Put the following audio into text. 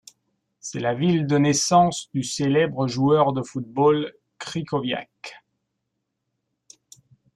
C'est la ville de naissance du célèbre joueur de football Krychowiak.